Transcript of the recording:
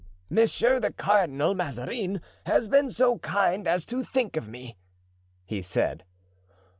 "Monsieur, the Cardinal Mazarin has been so kind as to think of me," he said.